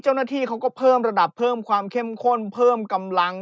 เจ้าหน้าที่เขาก็เพิ่มระดับเพิ่มความเข้มข้นเพิ่มกำลัง